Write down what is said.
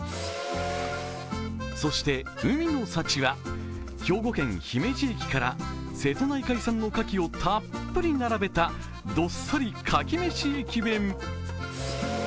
そして、海の幸は兵庫県姫路駅から瀬戸内海産の牡蠣をたっぷり並べたどっさり牡蠣めし駅弁。